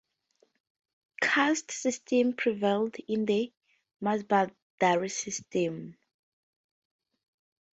Caste system prevailed in the mansabdari system.